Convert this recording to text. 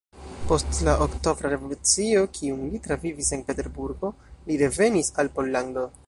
Post la Oktobra Revolucio, kiun li travivis en Peterburgo, li revenis al Pollando.